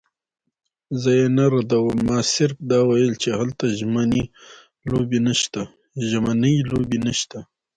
زه یې نه ردوم، ما صرف دا ویل چې هلته ژمنۍ لوبې نشته.